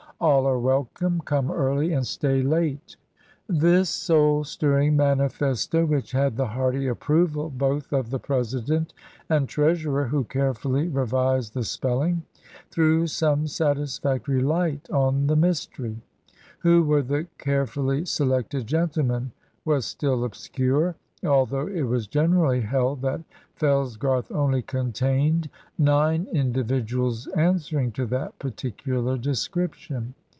All are welcome. Come early and stay late. By Order. This soul stirring manifesto, which had the hearty approval both of the president and treasurer (who carefully revised the spelling), threw some satisfactory light on the mystery. Who were the "carefully selected gentlemen" was still obscure, although it was generally held that Fellsgarth only contained nine individuals answering to that particular description.